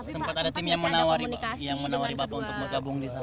sempat ada tim yang menawari bapak